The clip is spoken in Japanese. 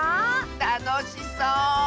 たのしそう！